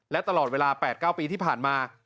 และตลอดเวลา๘๙ปีที่ผ่านมา